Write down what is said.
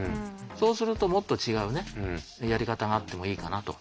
そうするともっと違うねやり方があってもいいかなと。